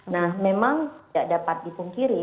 nah memang tidak dapat dipungkiri